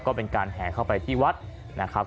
ก็เป็นการแห่เข้าไปที่วัดนะครับ